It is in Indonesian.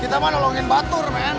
kita mah nolongin batur men